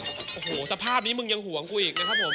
โอ้โหสภาพนี้มึงยังห่วงกูอีกนะครับผม